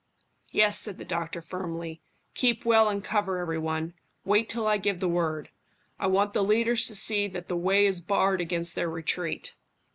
"Yes," said the doctor firmly. "Keep well in cover, every one. Wait till I give the word. I want the leaders to see that the way is barred against their retreat."